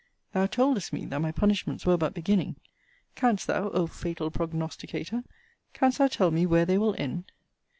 Thou toldest me, that my punishments were but beginning Canst thou, O fatal prognosticator, canst thou tell me, where they will end?